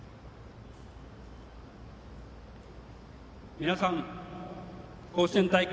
皆さん、甲子園大会